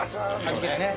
はじけるね。